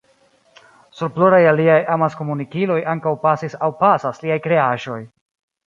Sur pluraj aliaj amaskomunikiloj ankaŭ pasis aŭ pasas liaj kreaĵoj.